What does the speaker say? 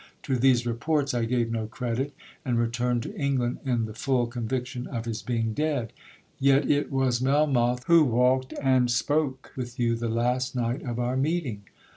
To these reports I gave no credit, and returned to England in the full conviction of his being dead. Yet it was Melmoth who walked and spoke with you the last night of our meeting.